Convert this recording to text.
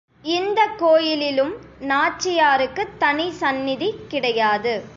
இந்தக் கோயிலிலும் நாச்சியாருக்குத் தனிச் சந்நிதி கிடையாது.